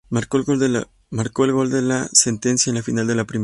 Marcó el gol de la sentencia en la final de la primera.